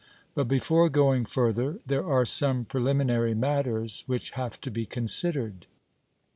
But, before going further, there are some preliminary matters which have to be considered.